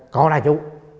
có này chú